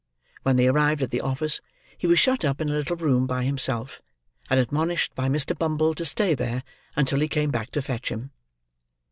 When they arrived at the office, he was shut up in a little room by himself, and admonished by Mr. Bumble to stay there, until he came back to fetch him.